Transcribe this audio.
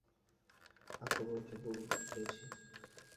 আক্রমণের জন্য অনুমতি চাইছি।